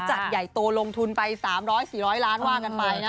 ใหญ่โตลงทุนไป๓๐๐๔๐๐ล้านว่ากันไปนะ